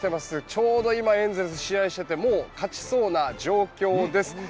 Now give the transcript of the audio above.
ちょうど今エンゼルス試合しててもう勝ちそうな状況です。